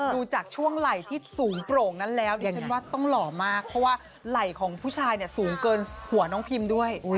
ดูจากช่วงไหล่ที่สูงโปร่งนั้นแล้วดิฉันว่าต้องหล่อมากเพราะว่าไหล่ของผู้ชายเนี่ยสูงเกินหัวน้องพิมด้วย